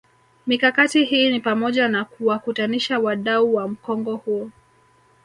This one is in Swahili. Mikakati hii ni pamoja na kuwakutanisha wadau wa mkongo huu